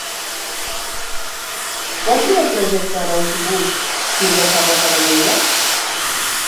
Quant dura el trajecte en autobús fins a Sarroca de Lleida?